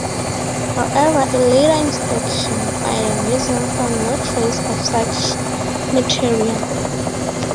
However, a later inspection by the museum found no trace of such material.